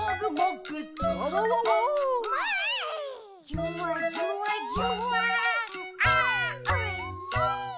「じゅわじゅわじゅわーんあーおいしい！」